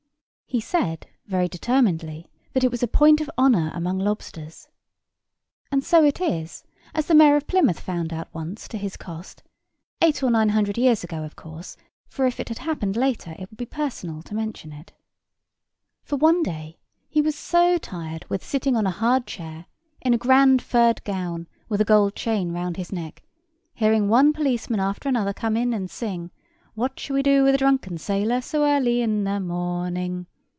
He said very determinedly that it was a point of honour among lobsters. And so it is, as the Mayor of Plymouth found out once to his cost—eight or nine hundred years ago, of course; for if it had happened lately it would be personal to mention it. For one day he was so tired with sitting on a hard chair, in a grand furred gown, with a gold chain round his neck, hearing one policeman after another come in and sing, "What shall we do with the drunken sailor, so early in the morning?"